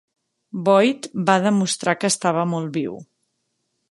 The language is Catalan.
Boyd va demostrar que estava molt viu.